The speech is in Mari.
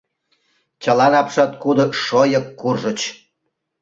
Чылан апшаткудо шойык куржыч.